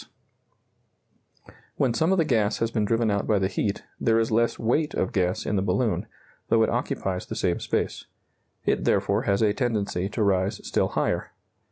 ] When some of the gas has been driven out by the heat, there is less weight of gas in the balloon, though it occupies the same space. It therefore has a tendency to rise still higher.